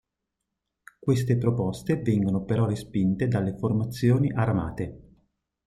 Queste proposte vengono però respinte dalle formazioni armate.